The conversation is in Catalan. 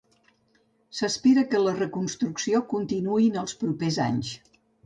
S'espera que la reconstrucció continuï en els propers anys.